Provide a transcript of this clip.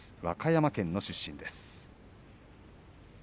和歌山県の出身です。